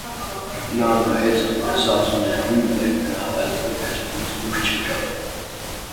Նա նայեց Զազունյանին, և նրա հայացքը վերջինիս դուր չեկավ: